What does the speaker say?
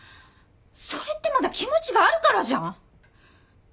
それってまだ気持ちがあるからじゃん。